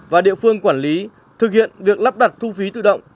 và địa phương quản lý thực hiện việc lắp đặt thu phí tự động